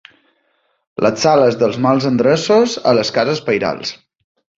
Les sales dels mals endreços a les cases pairals.